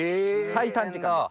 最短時間で。